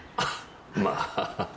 まあ。